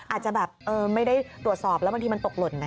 อาจจะแบบไม่ได้ตรวจสอบแล้วบางทีมันตกหล่นไง